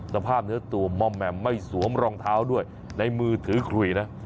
สภาพเนื้อตัวม่อมแหม่มไม่สวมรองเท้าด้วยในมือถือคุยนะ